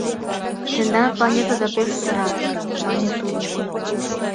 — Тендан планетыда пеш сӧрал, — мане тудо.